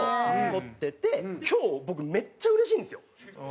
今日僕めっちゃうれしいんですよ。